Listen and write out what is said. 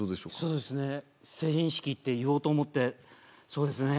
そうですね成人式って言おうと思ってそうですね